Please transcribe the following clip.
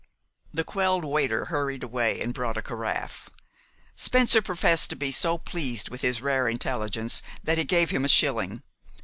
The quelled waiter hurried away and brought a carafe. Spencer professed to be so pleased with his rare intelligence that he gave him a shilling.